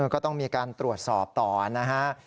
ก็ต้องมีการตรวจสอบต่อนะฮะ